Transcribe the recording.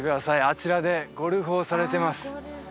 あちらでゴルフをされてます